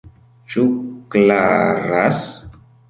Ĉu klaras?